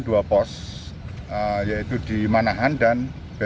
dua pos yaitu di manahan dan